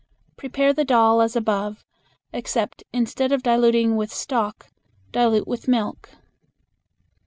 Prepare the dal as above, except instead of diluting with stock dilute with milk.